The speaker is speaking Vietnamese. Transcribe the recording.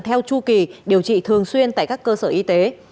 theo chu kỳ điều trị thường xuyên tại các cơ sở y tế